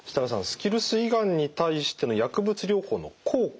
スキルス胃がんに対しての薬物療法の効果